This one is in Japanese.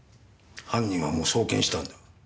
犯人はもう送検したんだ。